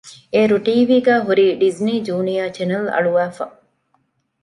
އޭރު ޓީވީގައި ހުރީ ޑިޒްނީ ޖޫނިއަރ ޗެނެލް އަޅުވައިފަ